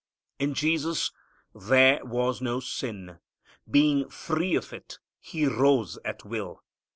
In Jesus there was no sin. Being free of it, He rose at will.